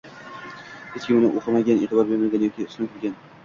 Hech kim uni oʻqimagan, eʼtibor bermagan yoki ustidan kulgan.